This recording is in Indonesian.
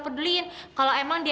datengnya pun kecil yodesu